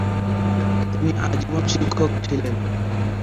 তিনি আজীবন শিক্ষক ছিলেন।